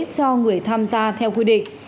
cho người tham gia theo quy định